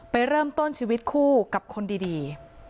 ไปเริ่มต้นชีวิตคู่กับคนดี